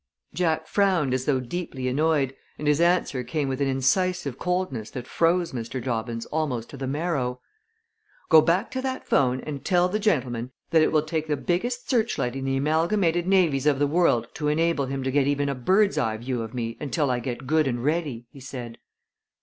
Jack frowned as though deeply annoyed, and his answer came with an incisive coldness that froze Mr. Dobbins almost to the marrow. "Go back to that 'phone and tell the gentleman that it will take the biggest search light in the amalgamated navies of the world to enable him to get even a bird's eye view of me until I get good and ready," he said.